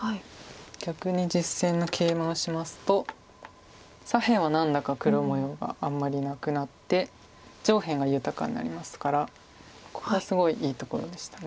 逆に実戦のケイマをしますと左辺は何だか黒模様があんまりなくなって上辺が豊かになりますからここはすごいいいところでした。